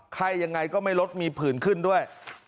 ยังไงก็ไม่ลดมีผื่นขึ้นด้วย